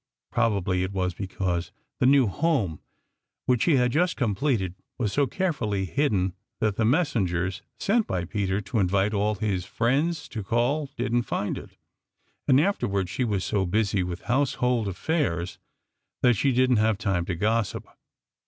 Probably it was because the new home which she had just completed was so carefully hidden that the messengers sent by Peter to invite all his friends to call didn't find it, and afterward she was so busy with household affairs that she didn't have time to gossip.